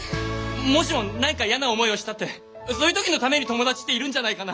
もしも何か嫌な思いをしたってそういう時のために友達っているんじゃないかな。